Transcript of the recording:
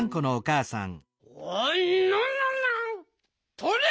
とりゃ！